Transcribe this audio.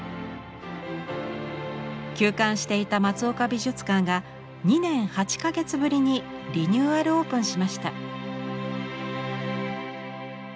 休館していた松岡美術館が２年８か月ぶりにリニューアルオープンしました。